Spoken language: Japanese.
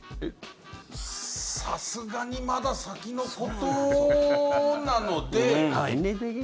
さすがにまだ先のことなので。